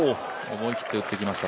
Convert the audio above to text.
思い切って打ってきました